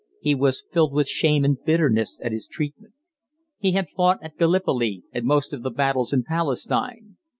He was filled with shame and bitterness at his treatment. He had fought at Gallipoli and most of the battles in Palestine.